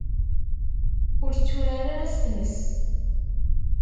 Ur tturar ara s tmes.